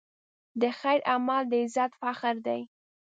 د خیر عمل د عزت فخر دی.